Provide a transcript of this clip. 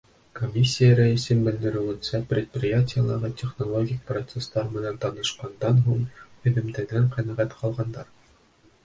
Комиссия рәйесе белдереүенсә, предприятиелағы технологик процестар менән танышҡандан һуң, һөҙөмтәнән ҡәнәғәт ҡалғандар.